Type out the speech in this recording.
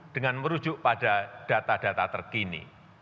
dengan merujuk pada data data terkini